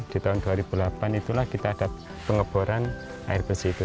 di tahun dua ribu delapan itulah kita ada pengeboran air bersih itu